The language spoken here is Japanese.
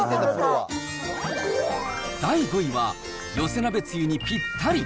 第５位は、寄せ鍋つゆにぴったり。